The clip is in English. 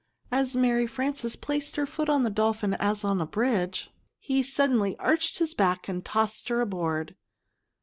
As Mary Frances placed her foot on the dolphin as on a bridge, he suddenly arched his back and tossed her aboard.